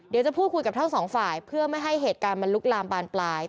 เดี๋ยวจะพูดคุยกับทั้งสองฝ่ายเพื่อไม่ให้เหตุการณ์มันลุกลามบานปลาย